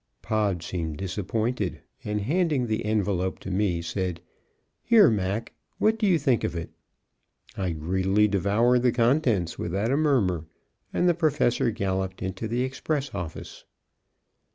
Pod seemed disappointed and, handing the envelope to me, said, "Here, Mac, what do you think of it?" I greedily devoured the contents without a murmur, and the Professor galloped into the express office.